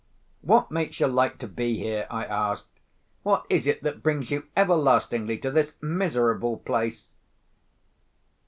"What makes you like to be here?" I asked. "What is it that brings you everlastingly to this miserable place?"